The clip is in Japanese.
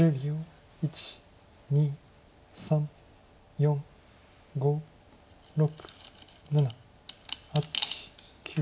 １２３４５６７８９。